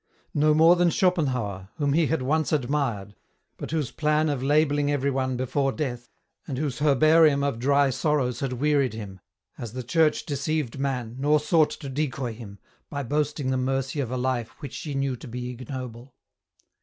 No more than Schopenhauer, whom he had once admired, but whose plan of labelling every one before death and whose herbarium of dry sorrows had wearied him, has the Church deceived man, nor sought to decoy him, by boast ing the mercy of a life which she knew to be ignoble.